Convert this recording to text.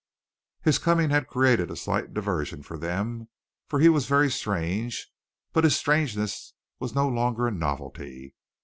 His coming had created a slight diversion for them, for he was very strange, but his strangeness was no longer a novelty.